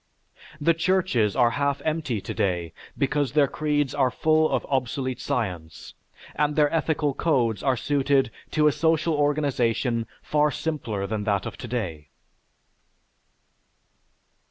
The churches are half empty today because their creeds are full of obsolete science, and their ethical codes are suited to a social organization far simpler than that of today.